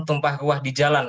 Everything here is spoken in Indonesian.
tumpah ruah di jalan